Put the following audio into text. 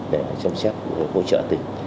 để chăm sóc và hỗ trợ tỉnh